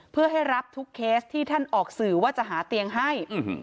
เพื่อให้รับทุกเคสที่ท่านออกสื่อว่าจะหาเตียงให้